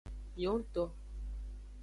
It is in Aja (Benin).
Miwongto.